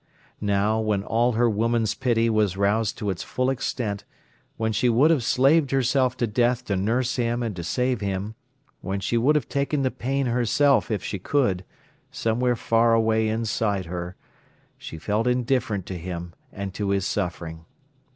Now, when all her woman's pity was roused to its full extent, when she would have slaved herself to death to nurse him and to save him, when she would have taken the pain herself, if she could, somewhere far away inside her, she felt indifferent to him and to his suffering.